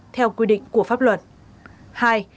theo quy định của pháp luật